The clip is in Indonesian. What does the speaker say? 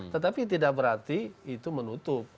tetapi tidak berarti itu menutup